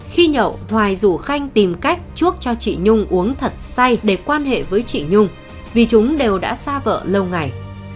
khi nhậu hoài rủ khanh tìm cách chuốc cho chị nhung uống thật say để quan hệ với chị nhung vì chúng đều đã xa vợ lâu ngày